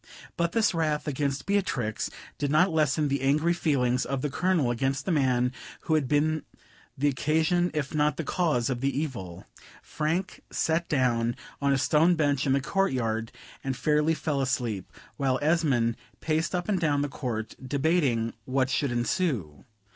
But this wrath against Beatrix did not lessen the angry feelings of the Colonel against the man who had been the occasion if not the cause of the evil. Frank sat down on a stone bench in the court yard, and fairly fell asleep, while Esmond paced up and down the court, debating what should ensue.